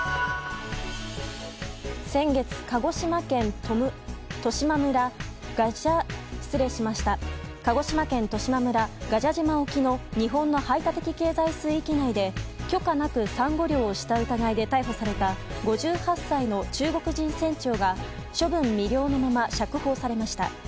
先月、鹿児島県十島村臥蛇島沖の日本の排他的経済水域内で許可なくサンゴ漁をした疑いで逮捕された５８歳の中国人船長が処分未了のまま釈放されました。